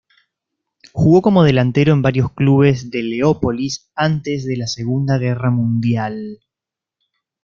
Jugó como delantero en varios clubes de Leópolis antes de la Segunda Guerra Mundial.